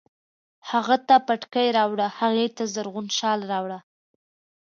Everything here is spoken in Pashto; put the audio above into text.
هغه ته پټکی راوړه، هغې ته زرغون شال راوړه